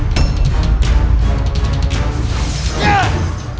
kau harus membayar